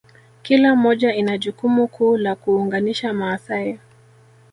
kila moja ina jukumu kuu la kuunganisha Maasai